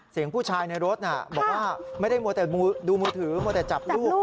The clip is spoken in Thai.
เสียงผู้ชายในรถบอกว่าไม่ได้มัวแต่ดูมือถือมัวแต่จับลูก